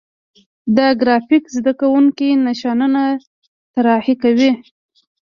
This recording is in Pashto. د ګرافیک زده کوونکي نشانونه طراحي کوي.